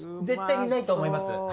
絶対にないと思います